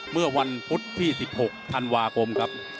เมื่อวันพุธที่๑๖ธันวาคมครับ